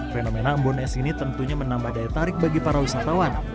fenomena embon es ini tentunya menambah daya tarik bagi para wisatawan